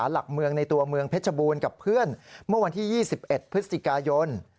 หลักเมืองในตัวเมืองเพชรบูรณ์กับเพื่อนเมื่อวันที่๒๑พฤศจิกายน